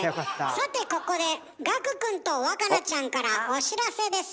さてここで岳くんと若菜ちゃんからお知らせです。